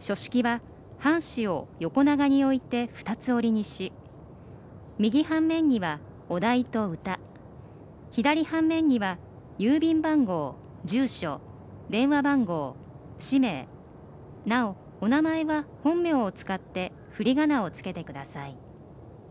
書式は、半紙を横長に置いて二つ折りにし右半面にはお題と歌左半面には郵便番号住所、電話番号、氏名なお、お名前は本名を使ってふりがなをつけてください。